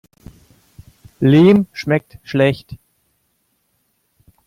Lehm schmeckt schlecht.